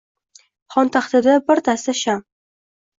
Xontaxtada bir dasta sham